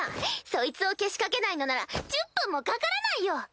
そいつをけしかけないのなら１０分もかからないよ！